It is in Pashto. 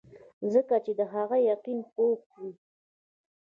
ځکه چې د هغه يقين پوخ وي -